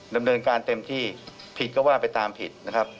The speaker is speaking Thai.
ดำเนินการเต็มที่ผิดก็ว่าไปตามผิดนะครับ